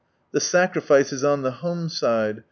The sacrifice is on the home side.